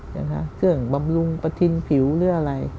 เครื่องบำรุงประทินผิวหรืออะไร